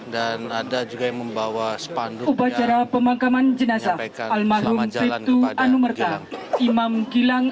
dan ada juga yang membawa sepanduknya menyampaikan selamat jalan kepada gilang